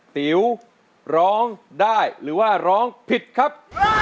ติ๋วร้องได้หรือว่าร้องผิดครับ